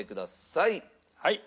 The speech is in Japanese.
はい。